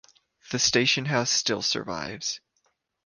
The station house still survives.